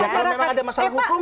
kalau memang ada masalah hukum